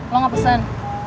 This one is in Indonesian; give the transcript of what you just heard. lo gak pesen